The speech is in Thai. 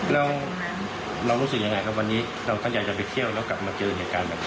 แล้วเรารู้สึกยังไงกับวันนี้เราต้องการจะไปเที่ยวแล้วกลับมาเจออีกอย่างกันแบบนี้